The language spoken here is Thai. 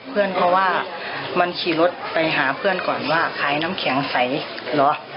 เพื่อนเพราะว่ามันขี่รถไปหาเพื่อนก่อนว่าขายน้ำแข็งใสเหรอ